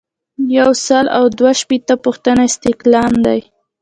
یو سل او دوه شپیتمه پوښتنه استعلام دی.